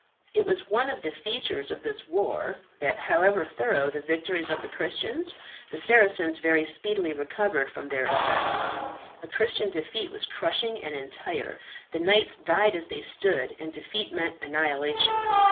It was one of the features of this war that however thorough the victories of the Christians, the Saracens very speedily recovered from their effects. A Christian defeat was crushing and entire; the knights died as they stood, and defeat meant annihilation.